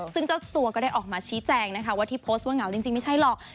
ซึ่งเจ้าตัวก็ได้ออกมาชี้แจงนะคะว่าที่โพสต์ว่าเหงาจริงไม่ใช่หรอก